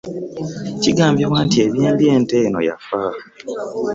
Kigambibwa nti, ebyembi ente eno yafa!